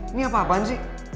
ini apa apaan sih